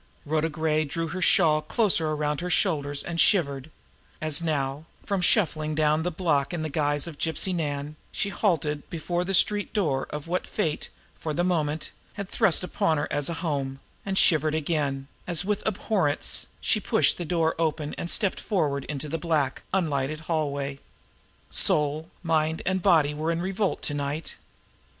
Rhoda Gray drew her shawl closer around her shoulders and shivered, as now, from shuffling down the block in the guise of Gypsy Nan, she halted before the street door of what fate, for the moment, had thrust upon her as a home; and shivered again, as, with abhorrence, she pushed the door open and stepped forward into the black, unlighted hallway. Soul, mind and body were in revolt to night.